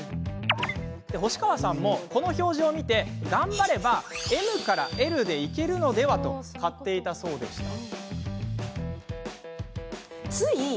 星川さんも、この表示を見て頑張ればＭＬでいけるのではと買っていたそうでして。